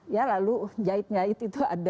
ya lalu jahit nyait itu ada